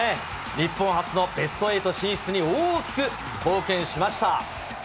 日本初のベスト８進出に大きく貢献しました。